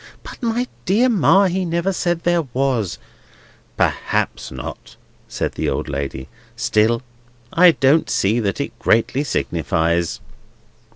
"But, my dear Ma, he never said there was." "Perhaps not," returned the old lady; "still, I don't see that it greatly signifies."